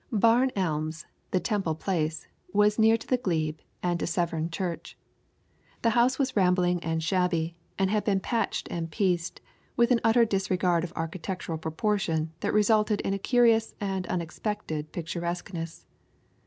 Barn Elms, the Temple place, was near to the Glebe and to Severn church. The house was rambling and shabby, and had been patched and pieced, with an utter disregard of architectural proportion that resulted in a curious and unexpected picturesqueness.